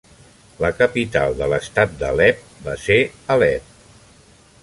La capital de l'Estat d'Alep va ser Alep.